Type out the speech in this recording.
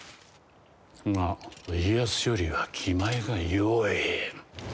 が家康よりは気前がよい。